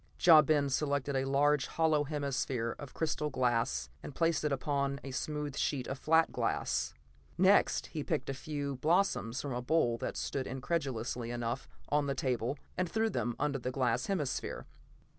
Ja Ben selected a large hollow hemisphere of crystal glass and placed it upon a smooth sheet of flat glass. Next he picked a few blossoms from a bowl that stood, incongruously enough, on the table, and threw them under the glass hemisphere.